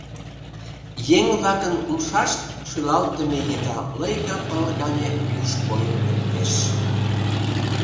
Еҥ-влакын умшашт шӱлалтыме еда лыйга пыл гане юж койын лектеш.